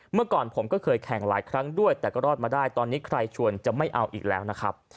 เมื่อก่อนผมก็เคยแข่งหลายครั้งด้วยแต่ก็รอดมาได้ตอนนี้ใครชวนจะไม่เอาอีกแล้วนะครับ